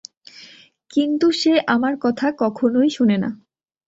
কিন্তু সে আমার কথা কখনোই শোনে না!